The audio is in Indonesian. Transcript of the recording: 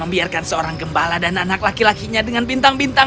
setelah selamanya terbit ailion tidak mencari lelaki leaste yang berbeda